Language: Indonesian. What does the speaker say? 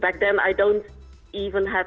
waktu itu saya tidak pernah memiliki